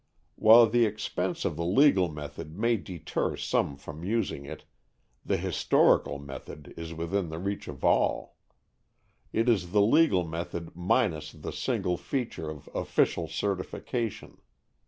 While the expense of the legal method may deter some from using it, the historical method is within the reach of all. It is the legal method minus the single feature of official certification.